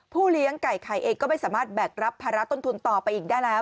เลี้ยงไก่ไข่เองก็ไม่สามารถแบกรับภาระต้นทุนต่อไปอีกได้แล้ว